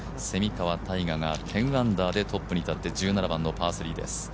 蝉川泰果が１０アンダーでトップに立って１７番のパー３です。